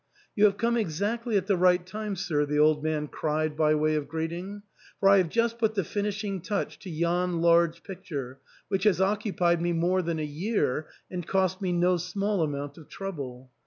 " You have come exactly at the right time, sir," the old man cried by way of greeting, "for I have just put the fin ishing touch to yon large picture, which has occupied me more than a year and cost me no small amount of trouble.